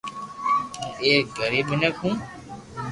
ھون ايڪ غريب مينک ھون